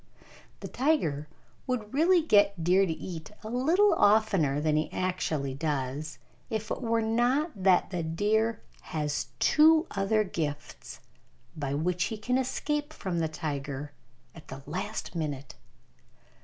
The tiger would really get deer to eat a little oftener than he actually does if it were not that the deer has two other gifts by which he can escape from the tiger at the last minute.